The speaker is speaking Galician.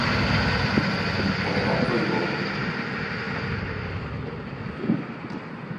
O verán foi bo.